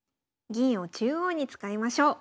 銀を中央に使いましょう。